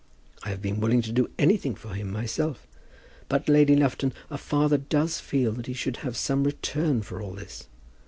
I have been willing to do anything for him myself. But, Lady Lufton, a father does feel that he should have some return for all this.